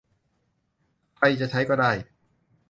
ใครจะใช้ก็ได้